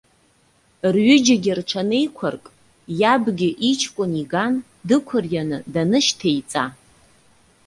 Рҩыџьагьы рҽанеиқәырк, иабгьы иҷкәын иган дықәырианы данышьҭеиҵа.